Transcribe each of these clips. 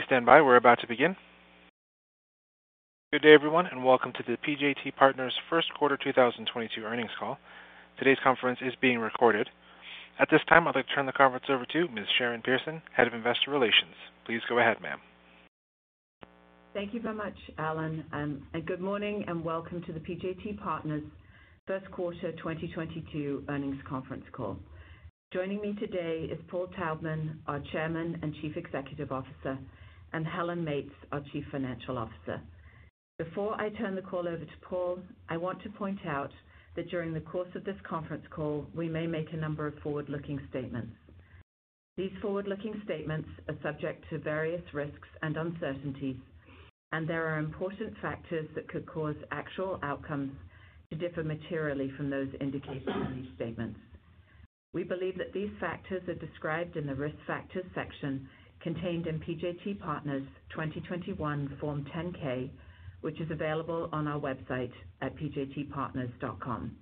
Please stand by. We're about to begin. Good day, everyone, and welcome to the PJT Partners First Quarter 2022 Earnings Call. Today's conference is being recorded. At this time, I'd like to turn the conference over to Ms. Sharon Pearson, Head of Investor Relations. Please go ahead, ma'am. Thank you very much, Allen, and good morning and welcome to the PJT Partners first quarter 2022 earnings conference call. Joining me today is Paul Taubman, our Chairman and Chief Executive Officer, and Helen Meates, our Chief Financial Officer. Before I turn the call over to Paul, I want to point out that during the course of this conference call, we may make a number of forward-looking statements. These forward-looking statements are subject to various risks and uncertainties, and there are important factors that could cause actual outcomes to differ materially from those indicated in these statements. We believe that these factors are described in the Risk Factors section contained in PJT Partners 2021 Form 10-K, which is available on our website at pjtpartners.com.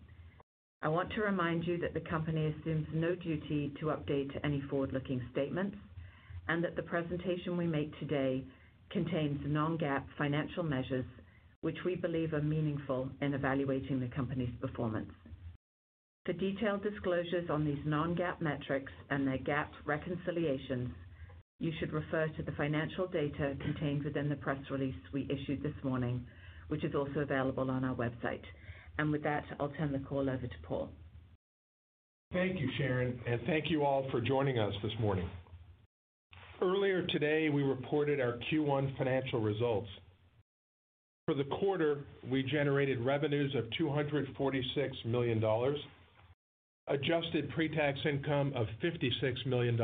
I want to remind you that the company assumes no duty to update any forward-looking statements and that the presentation we make today contains non-GAAP financial measures, which we believe are meaningful in evaluating the company's performance. For detailed disclosures on these non-GAAP metrics and their GAAP reconciliations, you should refer to the financial data contained within the press release we issued this morning, which is also available on our website. With that, I'll turn the call over to Paul Taubman. Thank you, Sharon, and thank you all for joining us this morning. Earlier today, we reported our Q1 financial results. For the quarter, we generated revenues of $246 million, adjusted pre-tax income of $56 million,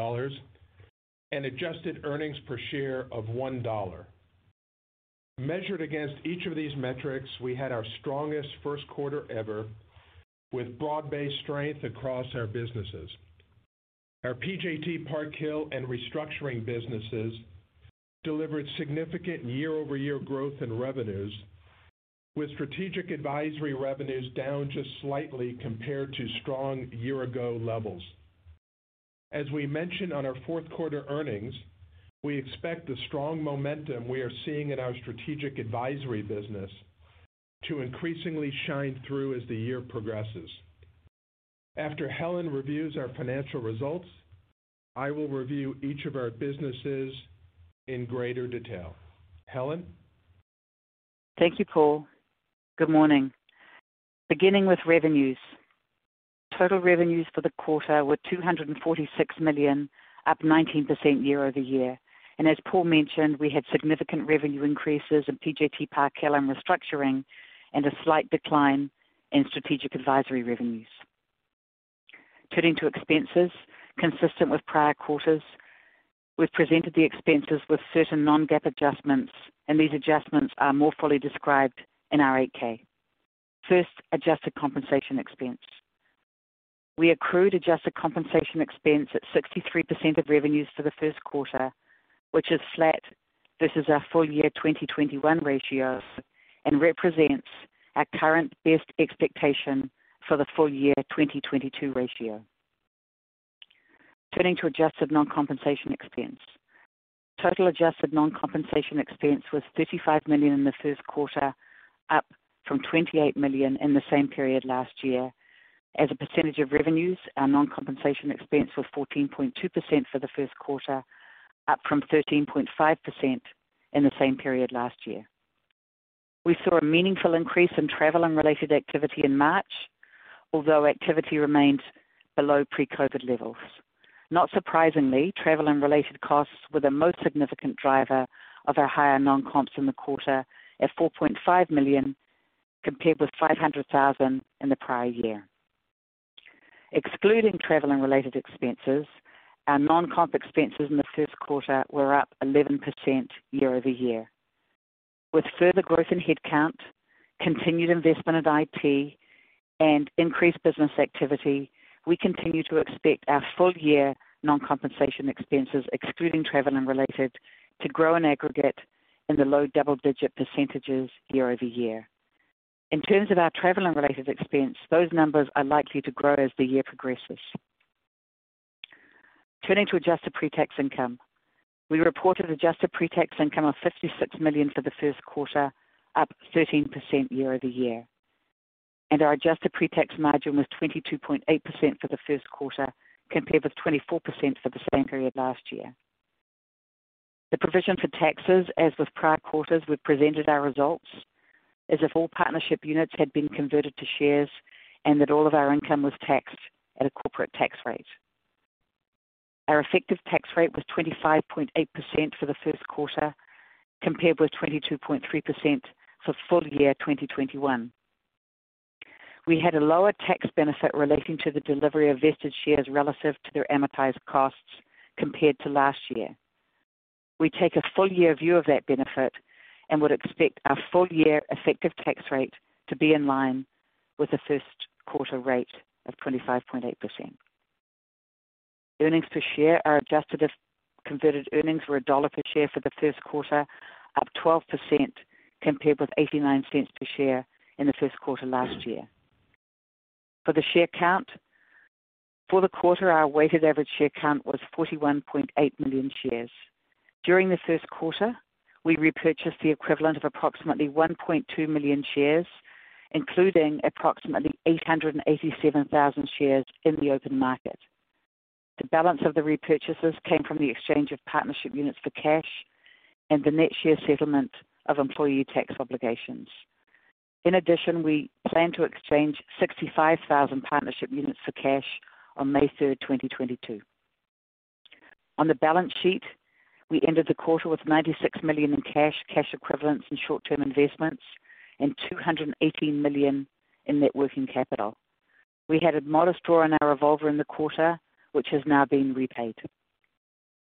and adjusted earnings per share of $1. Measured against each of these metrics, we had our strongest first quarter ever with broad-based strength across our businesses. Our PJT Park Hill and Restructuring businesses delivered significant year-over-year growth in revenues, with Strategic Advisory revenues down just slightly compared to strong year-ago levels. As we mentioned on our fourth quarter earnings, we expect the strong momentum we are seeing in our Strategic Advisory business to increasingly shine through as the year progresses. After Helen reviews our financial results, I will review each of our businesses in greater detail. Helen. Thank you, Paul. Good morning. Beginning with revenues. Total revenues for the quarter were $246 million, up 19% year-over-year. As Paul mentioned, we had significant revenue increases in PJT Park Hill and Restructuring and a slight decline in Strategic Advisory revenues. Turning to expenses. Consistent with prior quarters, we've presented the expenses with certain non-GAAP adjustments, and these adjustments are more fully described in our 8-K. First, adjusted compensation expense. We accrued adjusted compensation expense at 63% of revenues for the first quarter, which is flat versus our full year 2021 ratios and represents our current best expectation for the full year 2022 ratio. Turning to adjusted non-compensation expense. Total adjusted non-compensation expense was $55 million in the first quarter, up from $28 million in the same period last year. As a percentage of revenues, our non-compensation expense was 14.2% for the first quarter, up from 13.5% in the same period last year. We saw a meaningful increase in travel and related activity in March, although activity remains below pre-COVID levels. Not surprisingly, travel and related costs were the most significant driver of our higher non-comps in the quarter at $4.5 million, compared with $500 thousand in the prior year. Excluding travel and related expenses, our non-comp expenses in the first quarter were up 11% year-over-year. With further growth in headcount, continued investment in IT, and increased business activity, we continue to expect our full year non-compensation expenses, excluding travel and related, to grow in aggregate in the low double-digit percentages year-over-year. In terms of our travel and related expense, those numbers are likely to grow as the year progresses. Turning to adjusted pre-tax income. We reported adjusted pre-tax income of $56 million for the first quarter, up 13% year-over-year. Our adjusted pre-tax margin was 22.8% for the first quarter, compared with 24% for the same period last year. The provision for taxes, as with prior quarters, we've presented our results as if all partnership units had been converted to shares and that all of our income was taxed at a corporate tax rate. Our effective tax rate was 25.8% for the first quarter, compared with 22.3% for full year 2021. We had a lower tax benefit relating to the delivery of vested shares relative to their amortized costs compared to last year. We take a full year view of that benefit and would expect our full year effective tax rate to be in line with the first quarter rate of 25.8%. Earnings per share are adjusted if converted earnings were $1 per share for the first quarter, up 12% compared with $0.89 per share in the first quarter last year. For the share count. For the quarter, our weighted average share count was 41.8 million shares. During the first quarter, we repurchased the equivalent of approximately 1.2 million shares, including approximately 887,000 shares in the open market. The balance of the repurchases came from the exchange of partnership units for cash and the net share settlement of employee tax obligations. In addition, we plan to exchange 65,000 partnership units for cash on May 3rd, 2022. On the balance sheet, we ended the quarter with $96 million in cash equivalents, and short-term investments, and $218 million in net working capital. We had a modest draw on our revolver in the quarter, which has now been repaid.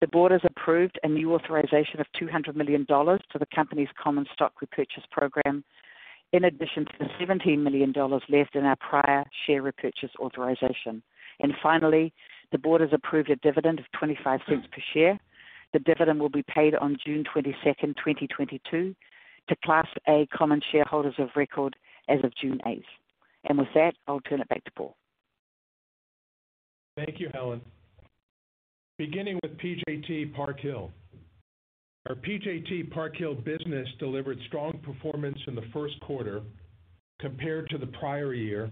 The board has approved a new authorization of $200 million to the company's common stock repurchase program in addition to the $17 million left in our prior share repurchase authorization. Finally, the board has approved a dividend of $0.25 per share. The dividend will be paid on June 22nd, 2022 to Class A common shareholders of record as of June 8th. With that, I'll turn it back to Paul. Thank you, Helen. Beginning with PJT Park Hill. Our PJT Park Hill business delivered strong performance in the first quarter compared to the prior year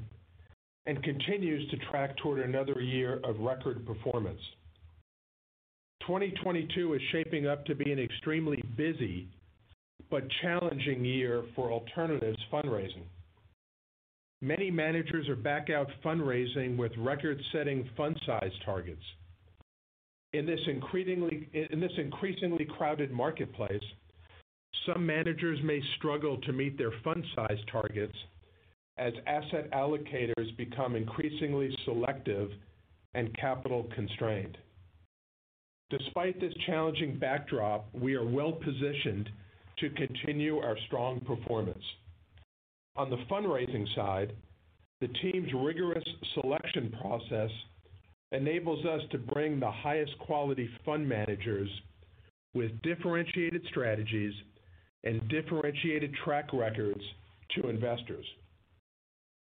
and continues to track toward another year of record performance. 2022 is shaping up to be an extremely busy but challenging year for alternatives fundraising. Many managers are back out fundraising with record-setting fund size targets. In this increasingly crowded marketplace, some managers may struggle to meet their fund size targets as asset allocators become increasingly selective and capital constrained. Despite this challenging backdrop, we are well positioned to continue our strong performance. On the fundraising side, the team's rigorous selection process enables us to bring the highest quality fund managers with differentiated strategies and differentiated track records to investors.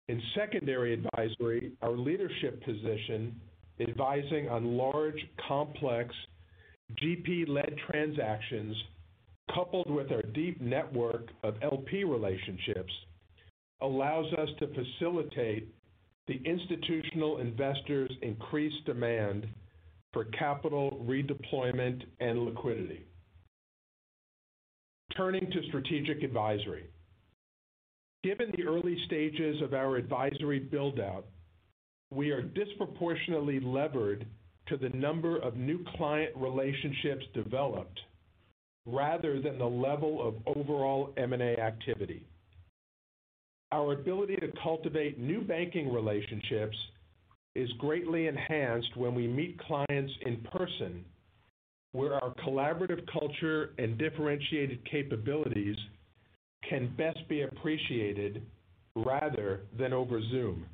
In secondary advisory, our leadership position advising on large, complex GP-led transactions, coupled with our deep network of LP relationships, allows us to facilitate the institutional investors' increased demand for capital redeployment and liquidity. Turning to Strategic Advisory. Given the early stages of our advisory build-out, we are disproportionately levered to the number of new client relationships developed rather than the level of overall M&A activity. Our ability to cultivate new banking relationships is greatly enhanced when we meet clients in person, where our collaborative culture and differentiated capabilities can best be appreciated rather than over Zoom.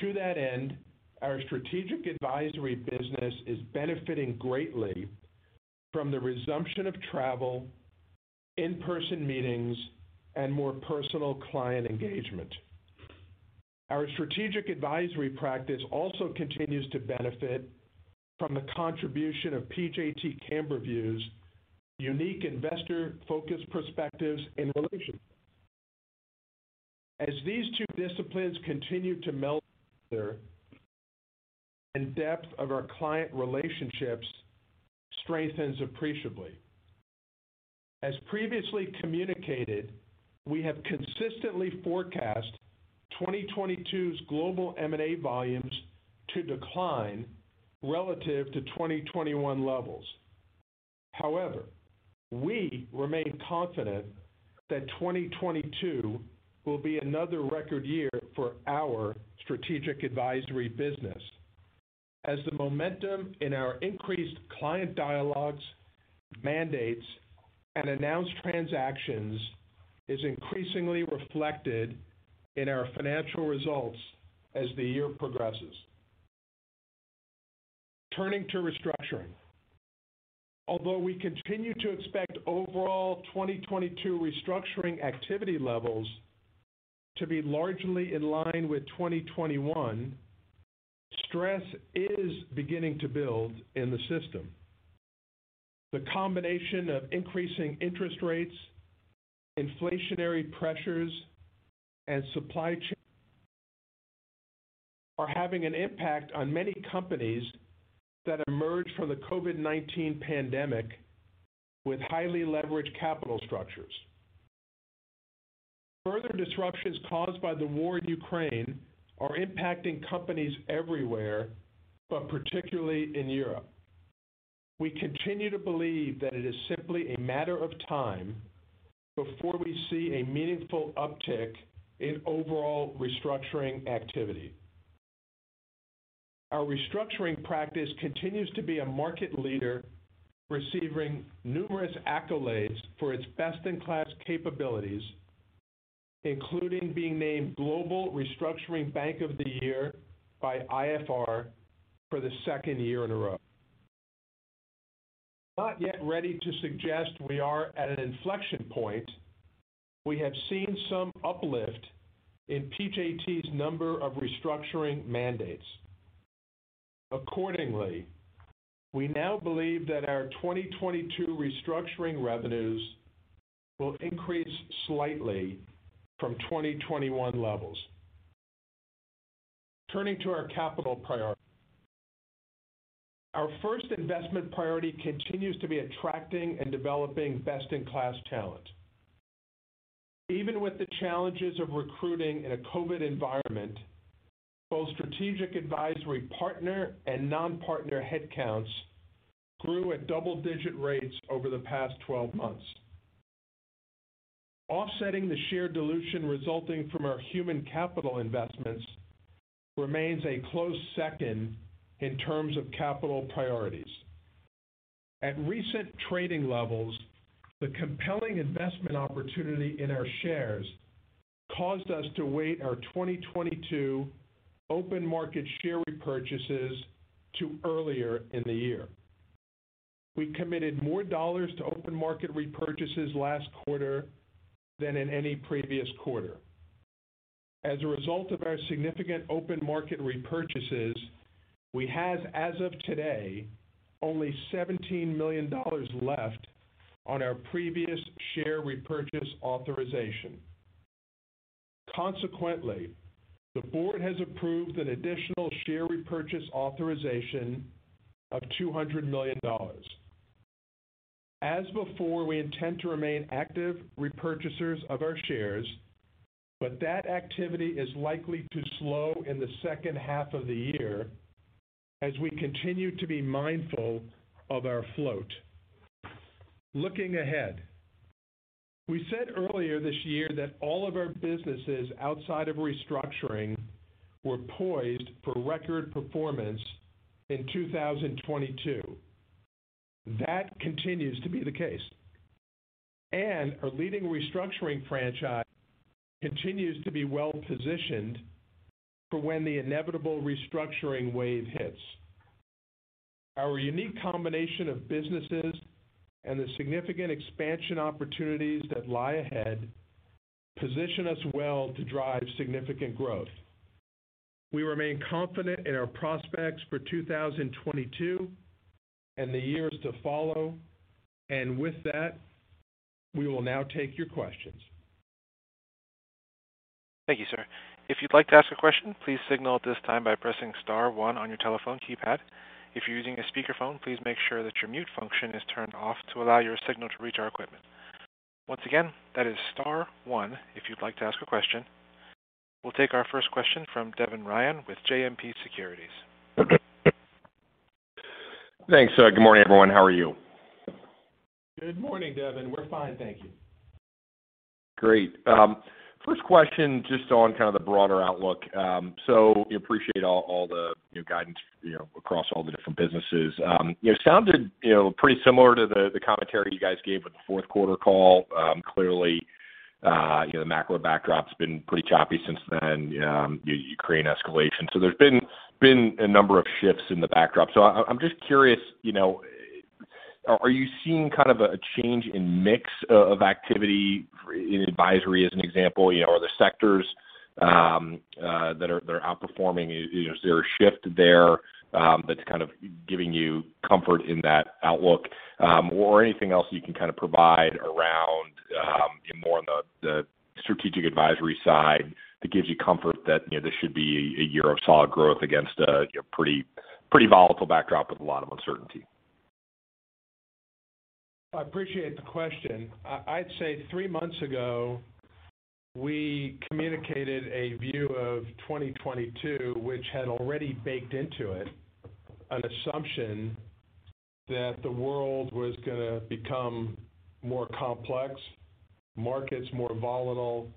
To that end, our Strategic Advisory business is benefiting greatly from the resumption of travel, in-person meetings, and more personal client engagement. Our Strategic Advisory practice also continues to benefit from the contribution of PJT Camberview's unique investor-focused perspectives and relation. As these two disciplines continue to meld together and the depth of our client relationships strengthens appreciably. As previously communicated, we have consistently forecast 2022's global M&A volumes to decline relative to 2021 levels. However, we remain confident that 2022 will be another record year for our Strategic Advisory business as the momentum in our increased client dialogues, mandates, and announced transactions is increasingly reflected in our financial results as the year progresses. Turning to Restructuring. Although we continue to expect overall 2022 Restructuring activity levels to be largely in line with 2021, stress is beginning to build in the system. The combination of increasing interest rates, inflationary pressures, and supply chain are having an impact on many companies that emerged from the COVID-19 pandemic with highly leveraged capital structures. Further disruptions caused by the war in Ukraine are impacting companies everywhere, but particularly in Europe. We continue to believe that it is simply a matter of time before we see a meaningful uptick in overall Restructuring activity. Our Restructuring practice continues to be a market leader, receiving numerous accolades for its best-in-class capabilities, including being named Restructuring Adviser of the Year by IFR for the second year in a row. Not yet ready to suggest we are at an inflection point. We have seen some uplift in PJT's number of Restructuring mandates. Accordingly, we now believe that our 2022 Restructuring revenues will increase slightly from 2021 levels. Turning to our capital priorities. Our first investment priority continues to be attracting and developing best-in-class talent. Even with the challenges of recruiting in a COVID-19 environment, both Strategic Advisory partner and non-partner headcounts grew at double-digit rates over the past 12 months. Offsetting the share dilution resulting from our human capital investments remains a close second in terms of capital priorities. At recent trading levels, the compelling investment opportunity in our shares caused us to weigh our 2022 open market share repurchases to earlier in the year. We committed more dollars to open market repurchases last quarter than in any previous quarter. As a result of our significant open market repurchases, we have, as of today, only $17 million left on our previous share repurchase authorization. Consequently, the board has approved an additional share repurchase authorization of $200 million. As before, we intend to remain active repurchasers of our shares, but that activity is likely to slow in the second half of the year as we continue to be mindful of our float. Looking ahead, we said earlier this year that all of our businesses outside of Restructuring were poised for record performance in 2022. That continues to be the case, and our leading Restructuring franchise continues to be well positioned for when the inevitable Restructuring wave hits. Our unique combination of businesses and the significant expansion opportunities that lie ahead position us well to drive significant growth. We remain confident in our prospects for 2022 and the years to follow. With that, we will now take your questions. Thank you, sir. If you'd like to ask a question, please signal at this time by pressing star one on your telephone keypad. If you're using a speakerphone, please make sure that your mute function is turned off to allow your signal to reach our equipment. Once again, that is star one, if you'd like to ask a question. We'll take our first question from Devin Ryan with JMP Securities. Thanks. Good morning, everyone. How are you? Good morning, Devin. We're fine, thank you. Great. First question, just on kind of the broader outlook. So I appreciate all the new guidance, you know, across all the different businesses. You know, it sounded, you know, pretty similar to the commentary you guys gave with the fourth quarter call. Clearly, you know, the macro backdrop has been pretty choppy since then, the Ukraine escalation. So there's been a number of shifts in the backdrop. I'm just curious, you know, are you seeing kind of a change in mix of activity in advisory as an example? You know, are the sectors that are outperforming, is there a shift there that's kind of giving you comfort in that outlook? Anything else you can kind of provide around more on the Strategic Advisory side that gives you comfort that this should be a year of solid growth against a pretty volatile backdrop with a lot of uncertainty? I appreciate the question. I'd say three months ago we communicated a view of 2022, which had already baked into it an assumption that the world was going to become more complex, markets more volatile, and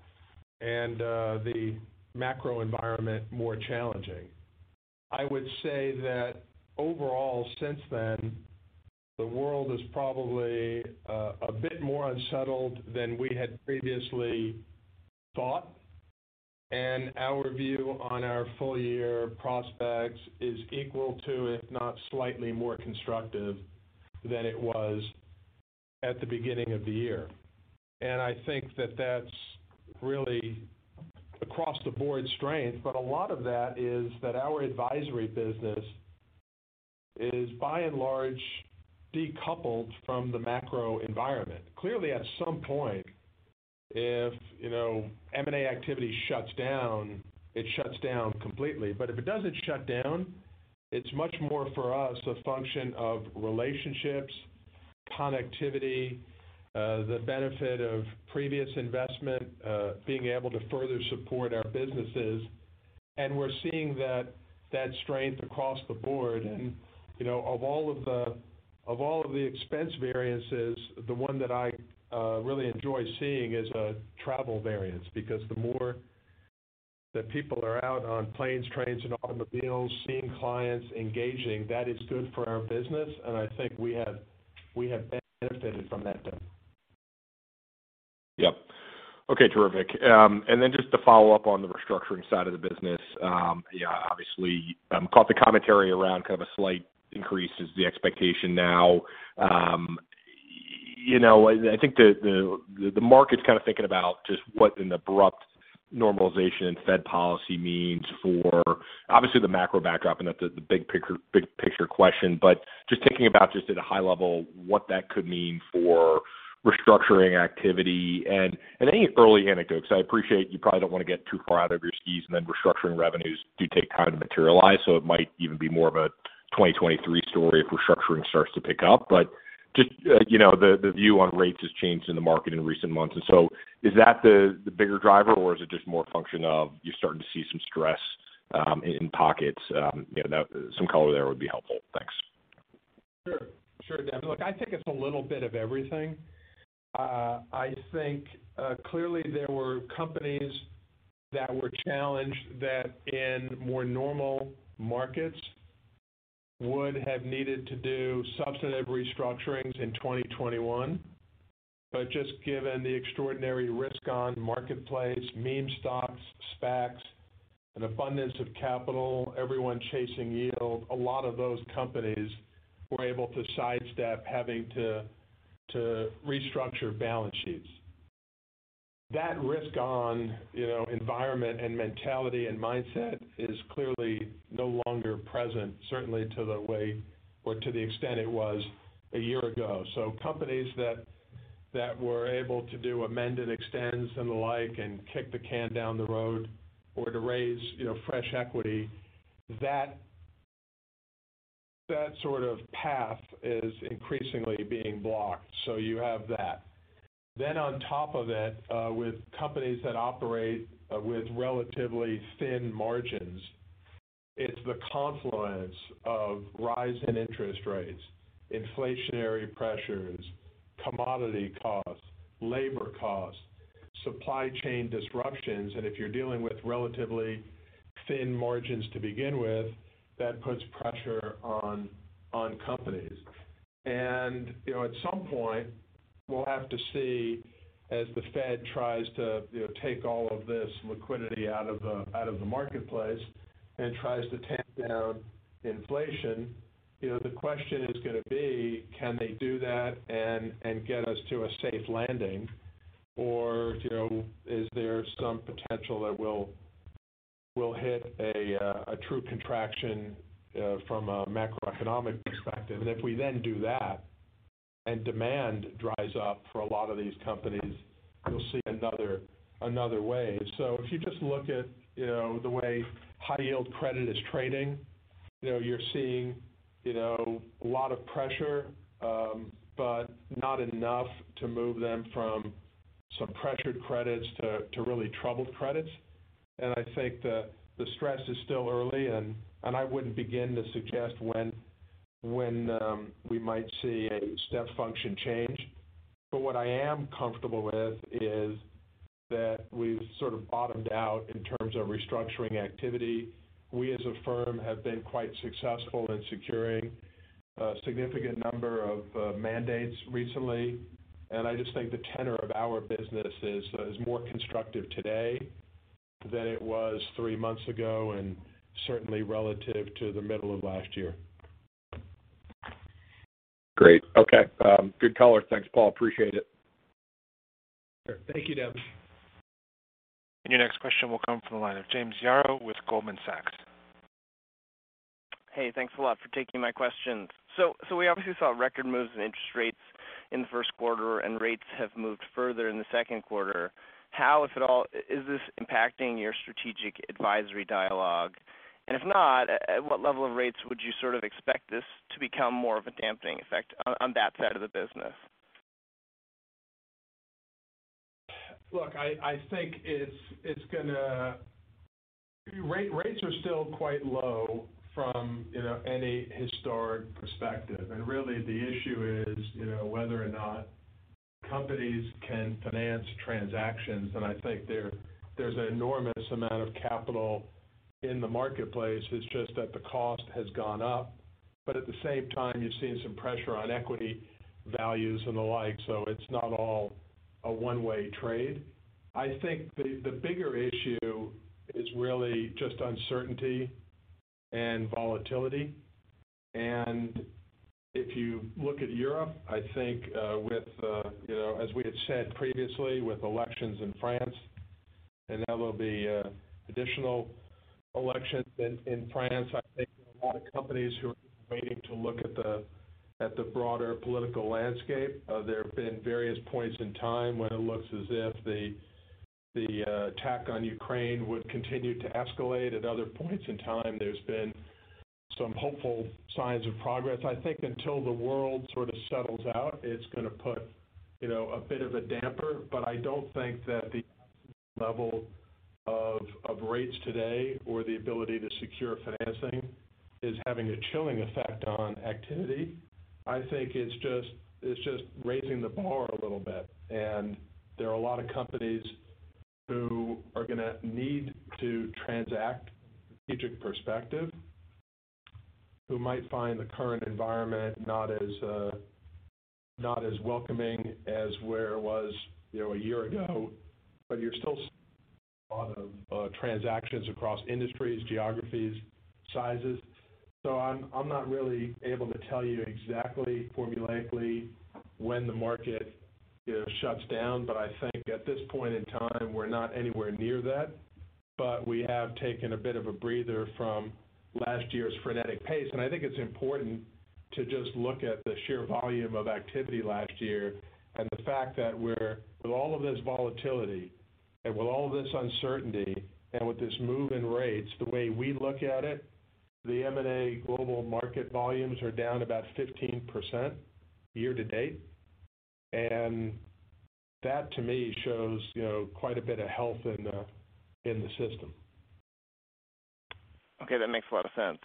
the macro environment more challenging. I would say that overall, since then, the world is probably a bit more unsettled than we had previously thought. Our view on our full year prospects is equal to, if not slightly more constructive than it was at the beginning of the year. I think that that's really across the board strength. A lot of that is that our advisory business is by and large decoupled from the macro environment. Clearly, at some point, if you know, M&A activity shuts down, it shuts down completely. If it doesn't shut down, it's much more for us a function of relationships, connectivity, the benefit of previous investment, being able to further support our businesses. We're seeing that strength across the board. You know, of all of the expense variances, the one that I really enjoy seeing is a travel variance. Because the more that people are out on planes, trains, and automobiles, seeing clients engaging, that is good for our business. I think we have benefited from that, Devin. Yep. Okay, terrific. Just to follow up on the Restructuring side of the business. Yeah, obviously, caught the commentary around kind of a slight increase is the expectation now. You know, I think the market's kind of thinking about just what an abrupt normalization Fed policy means for obviously the macro backdrop and that the big picture question. Just thinking about at a high level, what that could mean for Restructuring activity and any early anecdotes. I appreciate you probably don't wanna get too far out of your skis, and then Restructuring revenues do take time to materialize. It might even be more of a 2023 story if Restructuring starts to pick up. Just, you know, the view on rates has changed in the market in recent months. Is that the bigger driver, or is it just more a function of you're starting to see some stress in pockets? You know, some color there would be helpful. Thanks. Sure. Sure, Devin. Look, I think it's a little bit of everything. I think clearly there were companies that were challenged that in more normal markets would have needed to do substantive restructurings in 2021. Just given the extraordinary risk on marketplace, meme stocks, SPACs, an abundance of capital, everyone chasing yield, a lot of those companies were able to sidestep having to restructure balance sheets. That risk on, you know, environment and mentality and mindset is clearly no longer present, certainly to the way or to the extent it was a year ago. Companies that were able to do amend and extends and the like, and kick the can down the road or to raise, you know, fresh equity, that sort of path is increasingly being blocked. You have that. On top of it, with companies that operate with relatively thin margins, it's the confluence of rising interest rates, inflationary pressures, commodity costs, labor costs, supply chain disruptions, and if you're dealing with relatively thin margins to begin with, that puts pressure on companies. You know, at some point, we'll have to see as the Fed tries to, you know, take all of this liquidity out of the marketplace and tries to tamp down inflation. You know, the question is gonna be, can they do that and get us to a safe landing? You know, is there some potential that we'll hit a true contraction from a macroeconomic perspective? If we then do that and demand dries up for a lot of these companies, you'll see another wave. If you just look at, you know, the way high yield credit is trading. You know, you're seeing, you know, a lot of pressure, but not enough to move them from some pressured credits to really troubled credits. I think the stress is still early and I wouldn't begin to suggest when we might see a step function change. What I am comfortable with is that we've sort of bottomed out in terms of restructuring activity. We, as a firm, have been quite successful in securing a significant number of mandates recently. I just think the tenor of our business is more constructive today than it was three months ago and certainly relative to the middle of last year. Great. Okay. Good color. Thanks, Paul. Appreciate it. Sure. Thank you, Devin. Your next question will come from the line of James Yaro with Goldman Sachs. Hey, thanks a lot for taking my questions. We obviously saw record moves in interest rates in the first quarter, and rates have moved further in the second quarter. How, if at all, is this impacting your Strategic Advisory dialogue? If not, at what level of rates would you sort of expect this to become more of a dampening effect on that side of the business? Rates are still quite low from, you know, any historic perspective. Really the issue is, you know, whether or not companies can finance transactions. I think there's an enormous amount of capital in the marketplace. It's just that the cost has gone up. At the same time, you've seen some pressure on equity values and the like, so it's not all a one-way trade. I think the bigger issue is really just uncertainty and volatility. If you look at Europe, I think with you know, as we had said previously with elections in France, and now there'll be additional elections in France. I think there are a lot of companies who are waiting to look at the broader political landscape. There have been various points in time when it looks as if the attack on Ukraine would continue to escalate. At other points in time, there's been some hopeful signs of progress. I think until the world sort of settles out, it's gonna put, you know, a bit of a damper. I don't think that the level of rates today or the ability to secure financing is having a chilling effect on activity. I think it's just raising the bar a little bit, and there are a lot of companies who are gonna need to transact from a strategic perspective who might find the current environment not as welcoming as where it was, you know, a year ago. You're still seeing a lot of transactions across industries, geographies, sizes. I'm not really able to tell you exactly formulaically when the market, you know, shuts down, but I think at this point in time, we're not anywhere near that. We have taken a bit of a breather from last year's frenetic pace. I think it's important to just look at the sheer volume of activity last year and the fact that we're, with all of this volatility and with all this uncertainty and with this move in rates, the way we look at it, the M&A global market volumes are down about 15% year to date. That to me shows, you know, quite a bit of health in the system. Okay, that makes a lot of sense.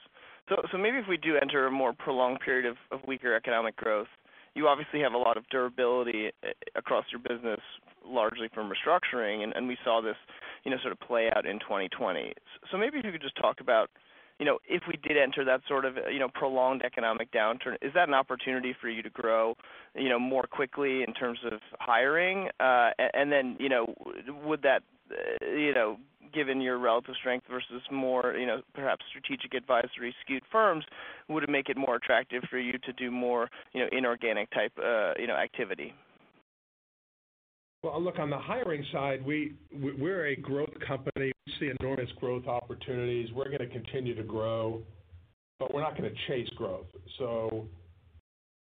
Maybe if we do enter a more prolonged period of weaker economic growth, you obviously have a lot of durability across your business, largely from Restructuring, and we saw this, you know, sort of play out in 2020. Maybe if you could just talk about, you know, if we did enter that sort of, you know, prolonged economic downturn, is that an opportunity for you to grow, you know, more quickly in terms of hiring? And then, you know, would that, you know, given your relative strength versus more, you know, perhaps Strategic Advisory skewed firms, would it make it more attractive for you to do more, you know, inorganic type, you know, activity? Well, look, on the hiring side, we're a growth company. We see enormous growth opportunities. We're gonna continue to grow, but we're not gonna chase growth. So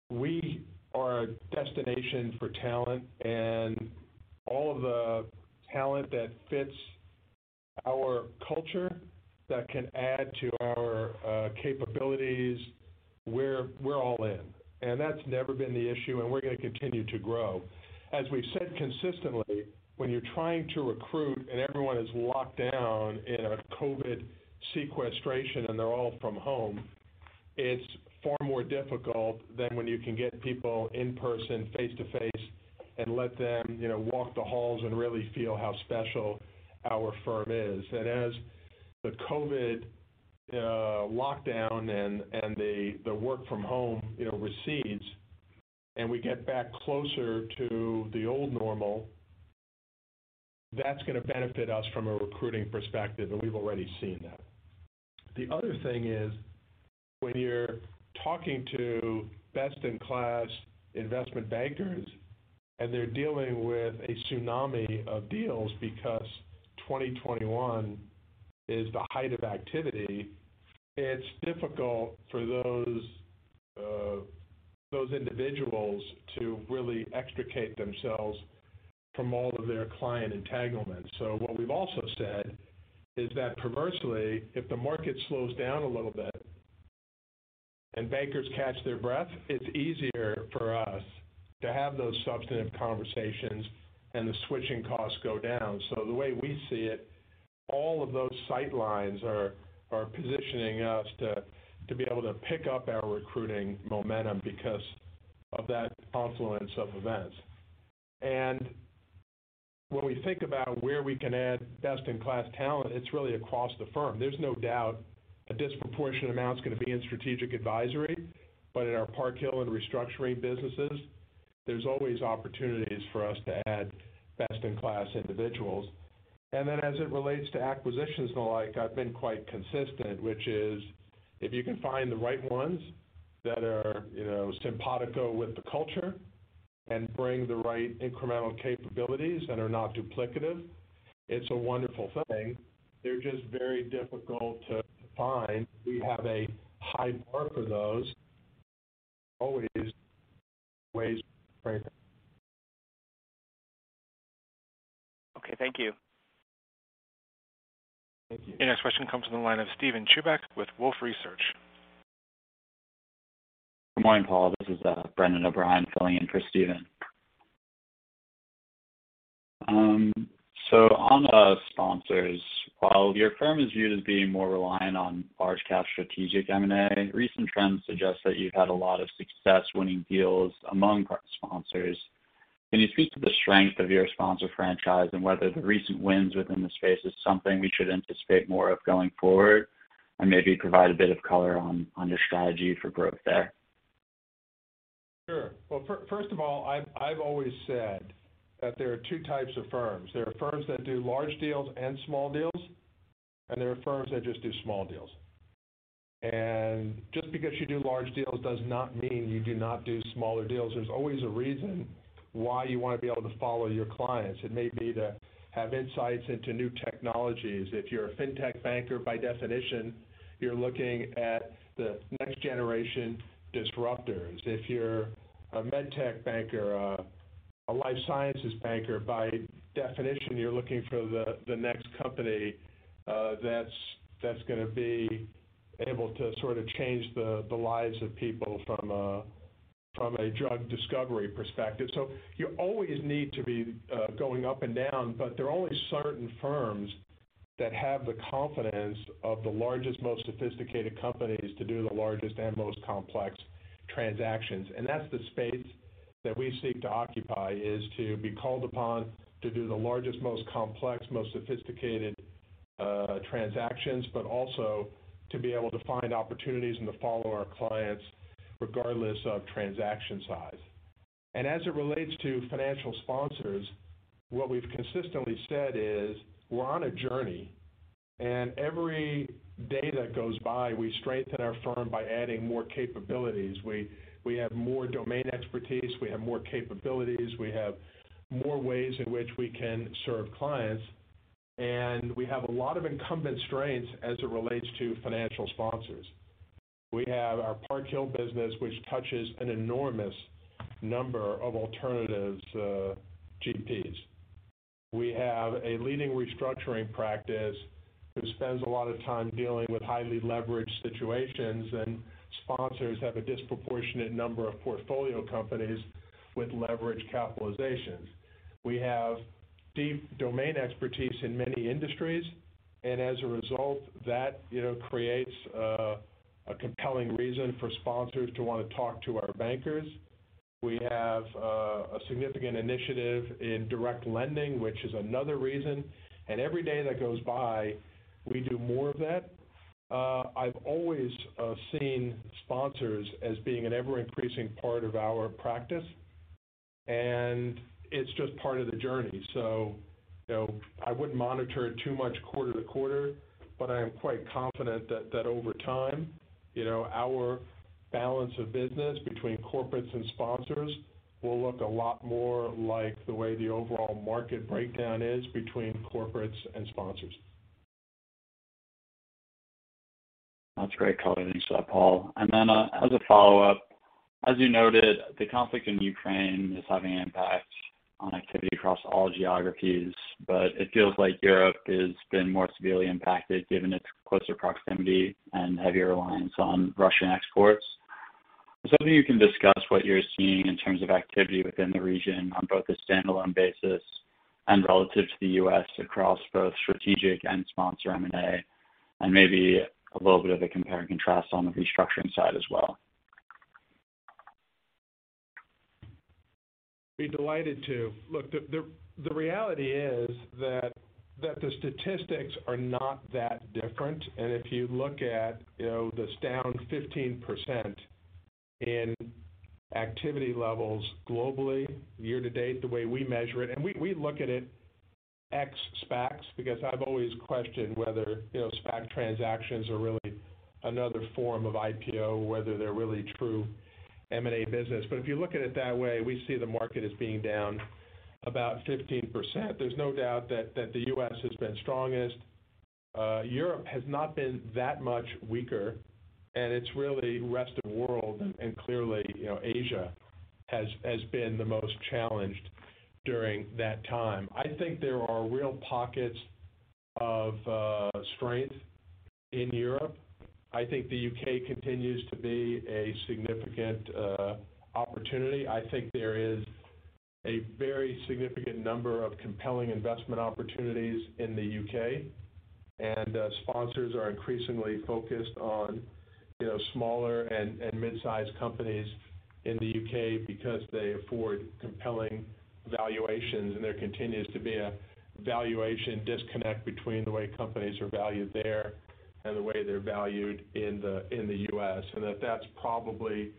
we are a destination for talent and all of the talent that fits our culture that can add to our capabilities, we're all in. That's never been the issue, and we're gonna continue to grow. As we've said consistently, when you're trying to recruit and everyone is locked down in a COVID sequestration and they're all from home, it's far more difficult than when you can get people in person, face-to-face, and let them, you know, walk the halls and really feel how special our firm is. As the COVID lockdown and the work from home, you know, recedes and we get back closer to the old normal, that's gonna benefit us from a recruiting perspective, and we've already seen that. The other thing is when you're talking to best-in-class investment bankers and they're dealing with a tsunami of deals because 2021 is the height of activity, it's difficult for those individuals to really extricate themselves from all of their client entanglements. What we've also said is that perversely, if the market slows down a little bit and bankers catch their breath, it's easier for us to have those substantive conversations and the switching costs go down. The way we see it, all of those sight lines are positioning us to be able to pick up our recruiting momentum because of that confluence of events. When we think about where we can add best-in-class talent, it's really across the firm. There's no doubt a disproportionate amount's gonna be in Strategic Advisory, but in our Park Hill and Restructuring businesses, there's always opportunities for us to add best-in-class individuals. As it relates to acquisitions and the like, I've been quite consistent, which is if you can find the right ones that are, you know, simpatico with the culture and bring the right incremental capabilities and are not duplicative, it's a wonderful thing. They're just very difficult to find. We have a high bar for those, always. Okay. Thank you. Thank you. Your next question comes from the line of Steven Chubak with Wolfe Research. Good morning, Paul. This is Brendan O'Brien filling in for Steven. So on the sponsors, while your firm is viewed as being more reliant on large cap strategic M&A, recent trends suggest that you've had a lot of success winning deals among current sponsors. Can you speak to the strength of your sponsor franchise and whether the recent wins within the space is something we should anticipate more of going forward? Maybe provide a bit of color on your strategy for growth there. Sure. Well, first of all, I've always said that there are two types of firms. There are firms that do large deals and small deals, and there are firms that just do small deals. Just because you do large deals does not mean you do not do smaller deals. There's always a reason why you wanna be able to follow your clients. It may be to have insights into new technologies. If you're a fintech banker, by definition, you're looking at the next generation disruptors. If you're a med tech banker, a life sciences banker, by definition, you're looking for the next company that's gonna be able to sort of change the lives of people from a drug discovery perspective. You always need to be going up and down, but there are only certain firms that have the confidence of the largest, most sophisticated companies to do the largest and most complex transactions. That's the space that we seek to occupy is to be called upon to do the largest, most complex, most sophisticated transactions, but also to be able to find opportunities and to follow our clients regardless of transaction size. As it relates to financial sponsors, what we've consistently said is we're on a journey, and every day that goes by, we strengthen our firm by adding more capabilities. We have more domain expertise. We have more capabilities. We have more ways in which we can serve clients, and we have a lot of incumbent strengths as it relates to financial sponsors. We have our Park Hill business, which touches an enormous number of alternatives, GPs. We have a leading Restructuring practice who spends a lot of time dealing with highly leveraged situations, and sponsors have a disproportionate number of portfolio companies with leveraged capitalizations. We have deep domain expertise in many industries, and as a result, that, you know, creates a compelling reason for sponsors to wanna talk to our bankers. We have a significant initiative in direct lending, which is another reason. Every day that goes by, we do more of that. I've always seen sponsors as being an ever-increasing part of our practice, and it's just part of the journey. you know, I wouldn't monitor it too much quarter to quarter, but I am quite confident that over time, you know, our balance of business between corporates and sponsors will look a lot more like the way the overall market breakdown is between corporates and sponsors. That's great color. Thanks for that, Paul. As a follow-up, as you noted, the conflict in Ukraine is having an impact on activity across all geographies, but it feels like Europe has been more severely impacted given its closer proximity and heavier reliance on Russian exports. I was hoping you can discuss what you're seeing in terms of activity within the region on both a standalone basis and relative to the U.S. across both strategic and sponsor M&A, and maybe a little bit of a compare and contrast on the Restructuring side as well. be delighted to. Look, the reality is that the statistics are not that different. If you look at, you know, this down 15% in activity levels globally year to date, the way we measure it, and we look at it ex SPACs, because I've always questioned whether, you know, SPAC transactions are really another form of IPO, whether they're really true M&A business. If you look at it that way, we see the market as being down about 15%. There's no doubt that the U.S. has been strongest. Europe has not been that much weaker, and it's really rest of world. Clearly, you know, Asia has been the most challenged during that time. I think there are real pockets of strength in Europe. I think the U.K. continues to be a significant opportunity. I think there is a very significant number of compelling investment opportunities in the U.K. Sponsors are increasingly focused on, you know, smaller and mid-sized companies in the U.K. because they afford compelling valuations, and there continues to be a valuation disconnect between the way companies are valued there and the way they're valued in the U.S. That's probably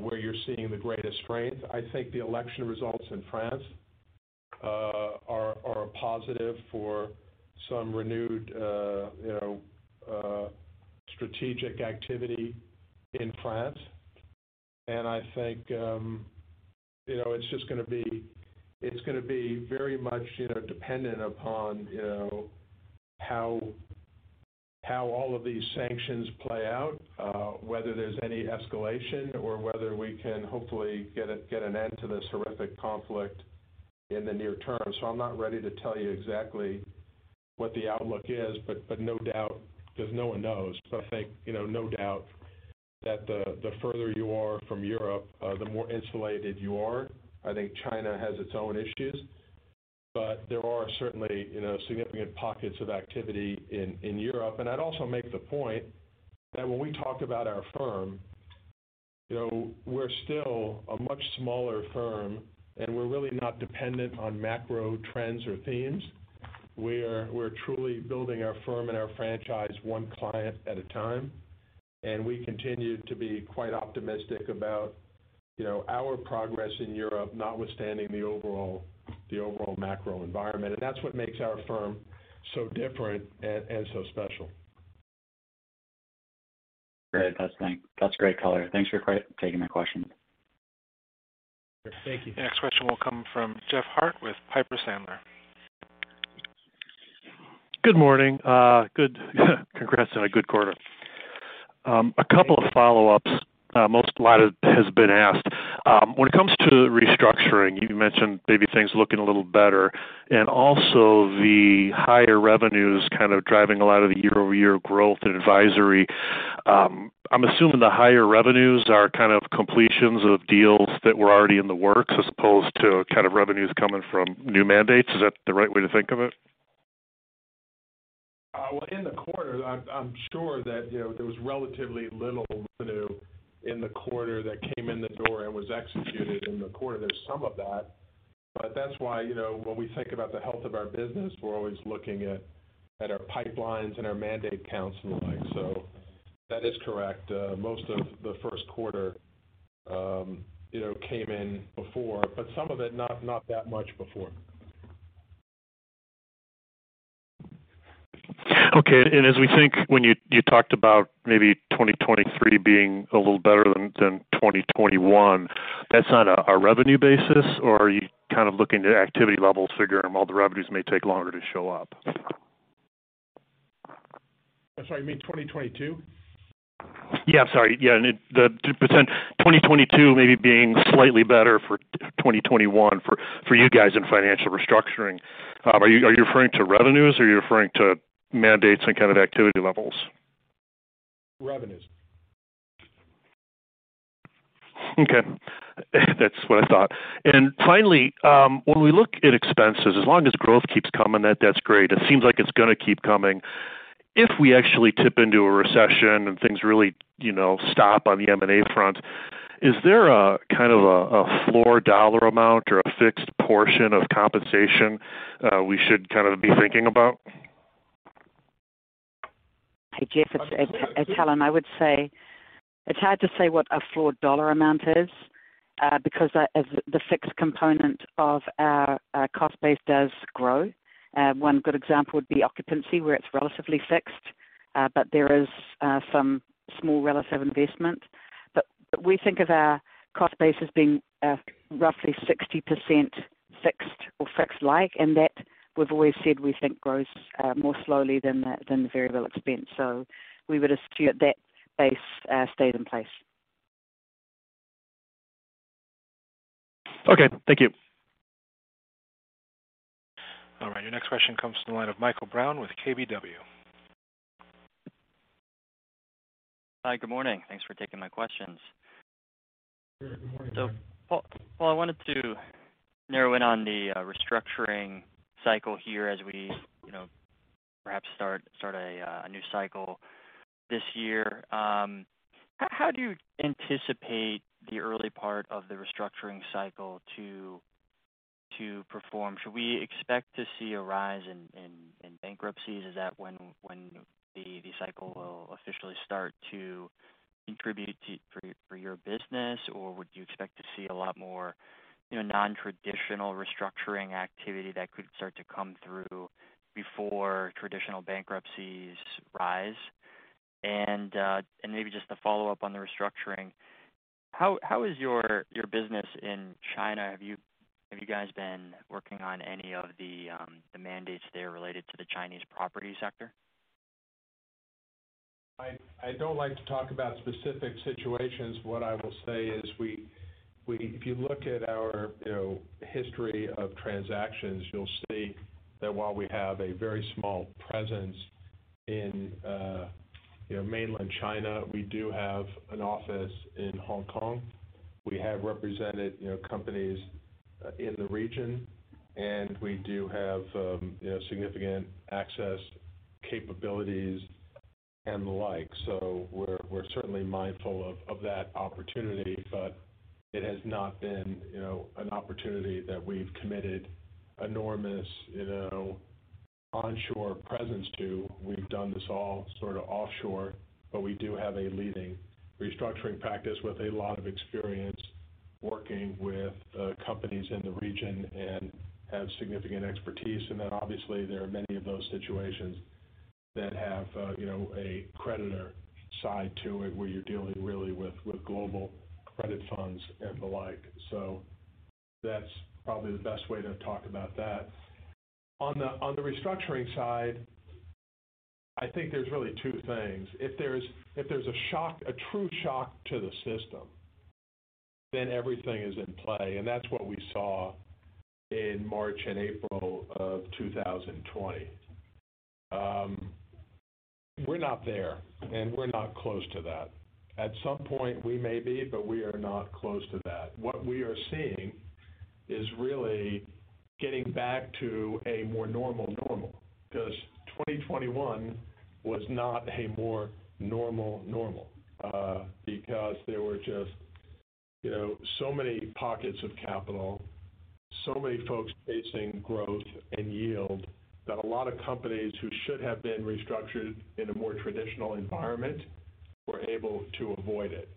where you're seeing the greatest strength. I think the election results in France are a positive for some renewed you know strategic activity in France. I think you know it's just gonna be very much you know dependent upon you know how all of these sanctions play out whether there's any escalation or whether we can hopefully get an end to this horrific conflict in the near term. I'm not ready to tell you exactly what the outlook is, but no doubt, 'cause no one knows. I think, you know, no doubt that the further you are from Europe, the more insulated you are. I think China has its own issues, but there are certainly, you know, significant pockets of activity in Europe. I'd also make the point that when we talk about our firm, you know, we're still a much smaller firm, and we're really not dependent on macro trends or themes. We're truly building our firm and our franchise one client at a time, and we continue to be quite optimistic about, you know, our progress in Europe, notwithstanding the overall macro environment. That's what makes our firm so different and so special. Great. That's great color. Thanks for taking the question. Thank you. The next question will come from Jeff Harte with Piper Sandler. Good morning. Congrats on a good quarter. A couple of follow-ups. A lot has been asked. When it comes to Restructuring, you mentioned maybe things looking a little better, and also the higher revenues kind of driving a lot of the year-over-year growth in advisory. I'm assuming the higher revenues are kind of completions of deals that were already in the works as opposed to kind of revenues coming from new mandates. Is that the right way to think of it? Well, in the quarter, I'm sure that, you know, there was relatively little revenue in the quarter that came in the door and was executed in the quarter. There's some of that, but that's why, you know, when we think about the health of our business, we're always looking at our pipelines and our mandate counts and the like. That is correct. Most of the first quarter, you know, came in before, but some of it not that much before. Okay. As we think when you talked about maybe 2023 being a little better than 2021, that's on a revenue basis, or are you kind of looking at activity levels, figuring all the revenues may take longer to show up? I'm sorry, you mean 2022? Yeah, sorry. Yeah. To pretend 2022 maybe being slightly better than 2021 for you guys in financial restructuring. Are you referring to revenues or to mandates and kind of activity levels? Revenues. Okay. That's what I thought. Finally, when we look at expenses, as long as growth keeps coming, that's great. It seems like it's gonna keep coming. If we actually tip into a recession and things really stop on the M&A front, is there a kind of floor dollar amount or a fixed portion of compensation we should kind of be thinking about? Hey, Jeff. It's Helen. I would say it's hard to say what a floor dollar amount is, because as the fixed component of our cost base does grow. One good example would be occupancy, where it's relatively fixed, but there is some small relative investment. But we think of our cost base as being roughly 60% fixed or fixed like, and that we've always said we think grows more slowly than the variable expense. We would assume that base stayed in place. Okay. Thank you. All right, your next question comes from the line of Michael Brown with KBW. Hi, good morning. Thanks for taking my questions. Sure. Good morning. Paul, I wanted to narrow in on the restructuring cycle here as we, you know, perhaps start a new cycle this year. How do you anticipate the early part of the Restructuring cycle to perform? Should we expect to see a rise in bankruptcies? Is that when the cycle will officially start to contribute to your business? Or would you expect to see a lot more, you know, non-traditional restructuring activity that could start to come through before traditional bankruptcies rise? And maybe just to follow up on the restructuring, how is your business in China? Have you guys been working on any of the mandates there related to the Chinese property sector? I don't like to talk about specific situations. What I will say is we, if you look at our, you know, history of transactions, you'll see that while we have a very small presence in, you know, mainland China, we do have an office in Hong Kong. We have represented, you know, companies in the region, and we do have, you know, significant access capabilities and the like. So we're certainly mindful of that opportunity, but it has not been, you know, an opportunity that we've committed enormous, you know, onshore presence to. We've done this all sort of offshore, but we do have a leading Restructuring practice with a lot of experience working with companies in the region and have significant expertise. Obviously there are many of those situations that have, you know, a creditor side to it where you're dealing really with global credit funds and the like. That's probably the best way to talk about that. On the Restructuring side, I think there's really two things. If there's a shock, a true shock to the system, then everything is in play. That's what we saw in March and April of 2020. We're not there, and we're not close to that. At some point we may be, but we are not close to that. What we are seeing is really getting back to a more normal normal, because 2021 was not a more normal normal, because there were just, you know, so many pockets of capital, so many folks chasing growth and yield that a lot of companies who should have been restructured in a more traditional environment were able to avoid it.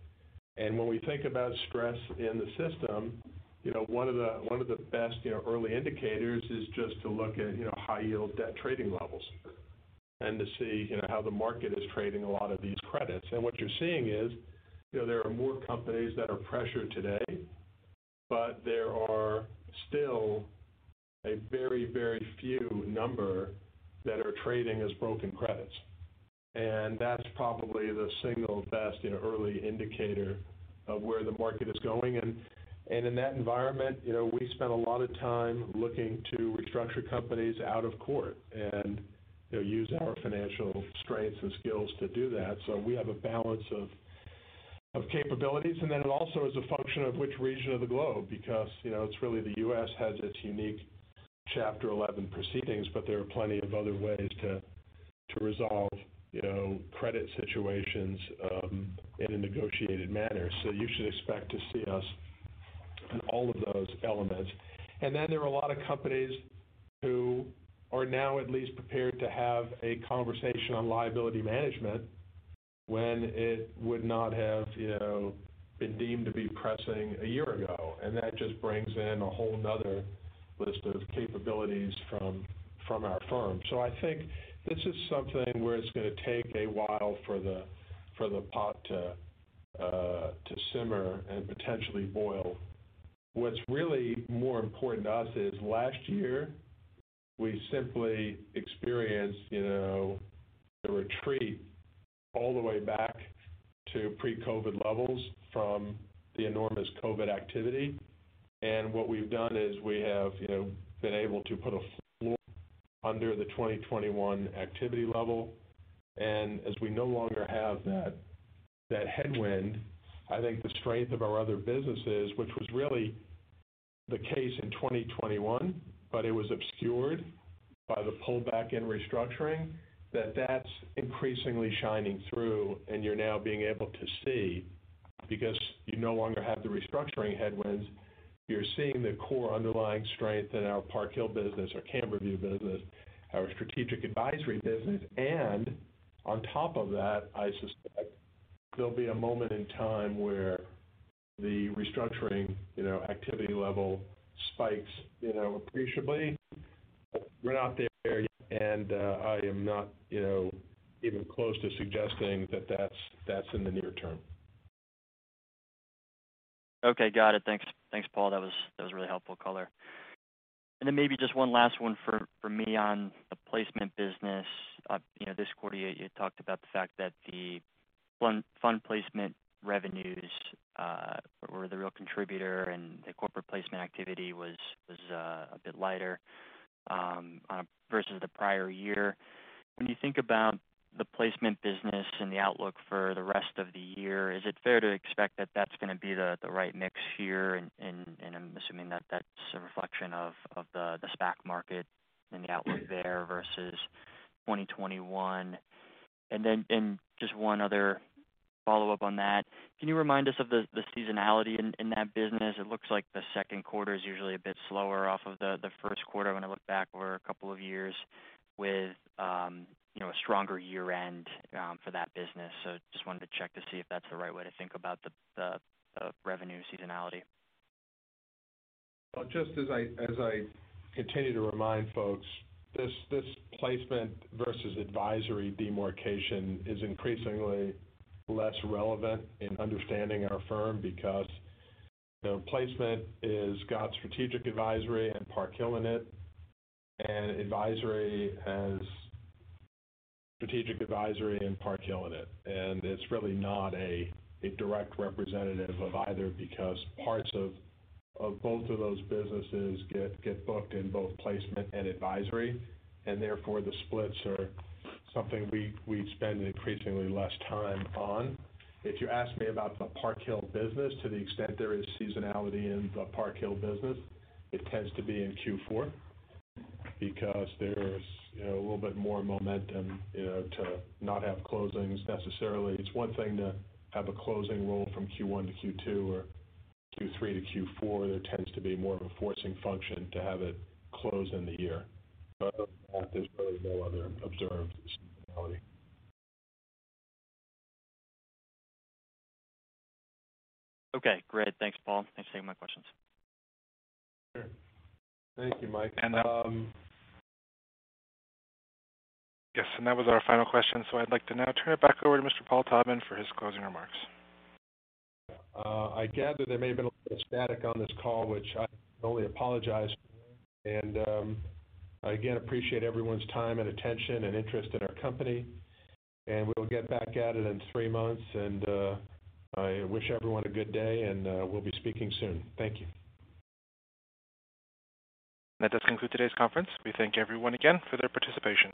When we think about stress in the system, you know, one of the best, you know, early indicators is just to look at, you know, high yield debt trading levels and to see, you know, how the market is trading a lot of these credits. What you're seeing is, you know, there are more companies that are pressured today, but there are still a very, very few number that are trading as broken credits. That's probably the single best, you know, early indicator of where the market is going. In that environment, you know, we spend a lot of time looking to restructure companies out of court and, you know, use our financial strengths and skills to do that. We have a balance of capabilities. It also is a function of which region of the globe, because, you know, it's really the U.S. has its unique Chapter 11 proceedings, but there are plenty of other ways to resolve, you know, credit situations, in a negotiated manner. You should expect to see us in all of those elements. There are a lot of companies who are now at least prepared to have a conversation on liability management when it would not have, you know, been deemed to be pressing a year ago. That just brings in a whole nother list of capabilities from our firm. I think this is something where it's gonna take a while for the pot to simmer and potentially boil. What's really more important to us is last year we simply experienced, you know, the retreat all the way back to pre-COVID levels from the enormous COVID activity. What we've done is we have, you know, been able to put a floor under the 2021 activity level. As we no longer have that headwind, I think the strength of our other businesses, which was really the case in 2021, but it was obscured by the pullback in restructuring, that's increasingly shining through. You're now being able to see because you no longer have the restructuring headwinds. You're seeing the core underlying strength in our Park Hill business, our Camberview business, our Strategic Advisory business. On top of that, I suspect there'll be a moment in time where the Restructuring, you know, activity level spikes, you know, appreciably. We're not there yet, and I am not, you know, even close to suggesting that that's in the near term. Okay, got it. Thanks. Thanks, Paul. That was a really helpful color. Maybe just one last one for me on the placement business. You know, this quarter you talked about the fact that the fund placement revenues were the real contributor, and the corporate placement activity was a bit lighter versus the prior year. When you think about the placement business and the outlook for the rest of the year, is it fair to expect that that's gonna be the right mix here? I'm assuming that that's a reflection of the SPAC market and the outlook there versus 2021. Just one other follow-up on that. Can you remind us of the seasonality in that business? It looks like the second quarter is usually a bit slower off of the first quarter when I look back over a couple of years with you know a stronger year-end for that business. So just wanted to check to see if that's the right way to think about the revenue seasonality. Well, just as I continue to remind folks, this placement versus advisory demarcation is increasingly less relevant in understanding our firm because the placement has got Strategic Advisory and Park Hill in it, and advisory has Strategic Advisory and Park Hill in it. It's really not a direct representative of either because parts of both of those businesses get booked in both placement and advisory and therefore the splits are something we spend increasingly less time on. If you ask me about the Park Hill business, to the extent there is seasonality in the Park Hill business, it tends to be in Q4 because there's, you know, a little bit more momentum, you know, to not have closings necessarily. It's one thing to have a closing roll from Q1 to Q2 or Q3 to Q4. There tends to be more of a forcing function to have it close in the year. Other than that, there's really no other observed seasonality. Okay, great. Thanks, Paul. Thanks for taking my questions. Sure. Thank you, Mike. And, um- Yes, that was our final question. I'd like to now turn it back over to Mr. Paul Taubman for his closing remarks. I gather there may have been a little bit of static on this call, which I can only apologize for. I again appreciate everyone's time and attention and interest in our company. We'll get back at it in three months. I wish everyone a good day, and we'll be speaking soon. Thank you. That does conclude today's conference. We thank everyone again for their participation.